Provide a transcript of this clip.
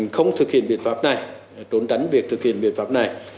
không thực hiện biện pháp này trốn tránh việc thực hiện biện pháp này